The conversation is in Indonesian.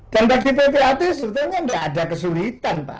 dan bagi ppat sebetulnya tidak ada kesulitan pak